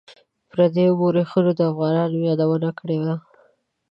پردیو مورخینو د افغانانو یادونه کړې ده.